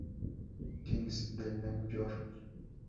Kings de New York.